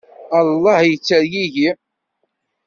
Allah yettergigi!